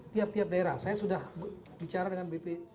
tiap tiap daerah saya sudah bicara dengan bp